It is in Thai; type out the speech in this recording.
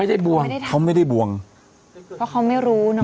ไม่ได้บวงเขาไม่ได้บวงเพราะเขาไม่รู้นะ